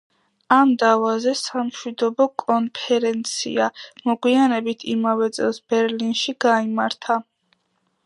ამ დავაზე სამშვიდობო კონფერენცია, მოგვიანებით იმავე წელს ბერლინში გაიმართა.